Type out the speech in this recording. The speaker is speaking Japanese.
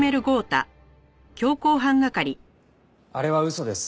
あれは嘘です。